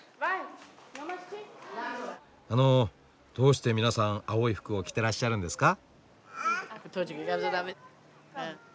あのどうして皆さん青い服を着てらっしゃるんですか？